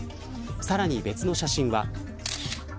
さらに別の写真は。